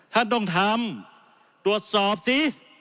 ท่านต้องทำตรวจสอบสิ